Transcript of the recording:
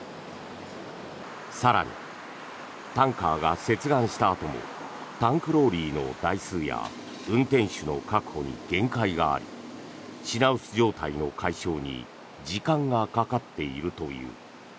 更に、タンカーが接岸したあともタンクローリーの台数や運転手の確保に限界があり品薄状態の解消に時間がかかっているという。